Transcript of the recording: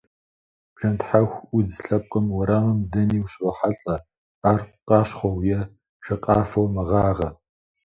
Бжэнтхьэху удз лъэпкъым уэрамым дэни ущрохьэлӏэ, ар къащхъуэу е шакъафэу мэгъагъэ.